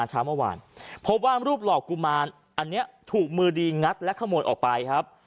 เช้าเมื่อวานพบว่ารูปหลอกกุมารอันนี้ถูกมือดีงัดและขโมยออกไปครับ